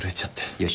よし。